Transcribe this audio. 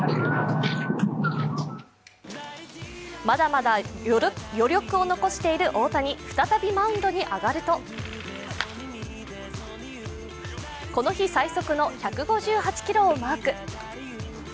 まだまだ余力を残している大谷再びマウンドに上がるとこの日最速の１５８キロをマーク。